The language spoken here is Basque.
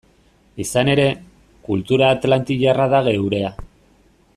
Izan ere, kultura atlantiarra da geurea.